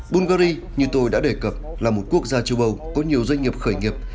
bungary như tôi đã đề cập là một quốc gia châu âu có nhiều doanh nghiệp khởi nghiệp